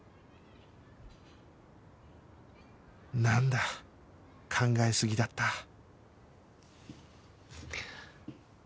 なんだ考えすぎだった